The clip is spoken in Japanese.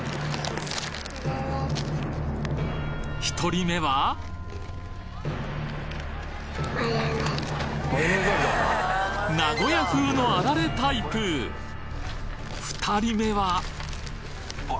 １人目は名古屋風のあられタイプ２人目はあ！